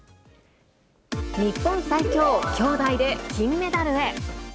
日本最強、兄妹で金メダルへ。